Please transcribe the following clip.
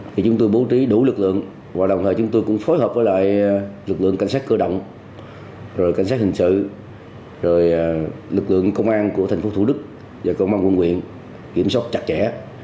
khi chúng tôi bố trí đủ lực lượng và đồng thời chúng tôi cũng phối hợp với lại lực lượng cảnh sát cửa động rồi cảnh sát hình sự rồi lực lượng công an của thành phố thủ đức và công an quân nguyện kiểm soát chặt chẽ